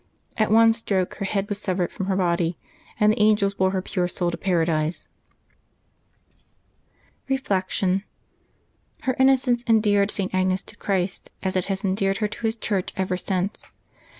At one stroke her head was severed from her body, and the angels bore her pure soul to Paradise. 44 LIVES OF THE SAINTS [Januabt 22 Reflection. — Her innocence endeared St. Agnes to Christ, as it has endeared her to His Church ever since.